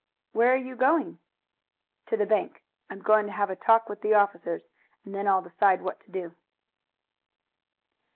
"Where are you going?" "To the bank. I'm going to have a talk with the officers and then I'll decide what to do."